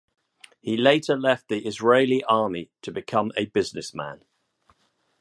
He later left the Israeli army to become a businessman.